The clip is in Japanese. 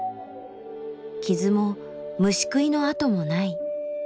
傷も虫食いの跡もない。